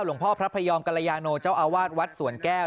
หลวงพ่อพระพยอมกรยาโนเจ้าอาวาสวัดสวนแก้ว